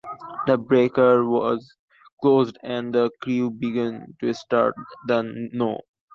The breaker was closed and the crew began to start the no.